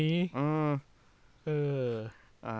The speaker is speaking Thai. เออ